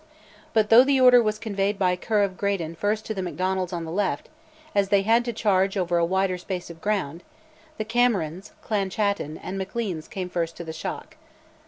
But though the order was conveyed by Ker of Graden first to the Macdonalds on the left, as they had to charge over a wider space of ground, the Camerons, Clan Chattan, and Macleans came first to the shock.